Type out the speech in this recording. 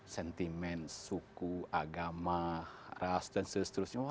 sentimen suku agama ras dan seterusnya